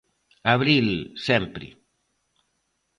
Abril, sempre!